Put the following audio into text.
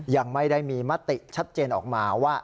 ยังไม่ได้มีมติชัดเจนออกมาว่า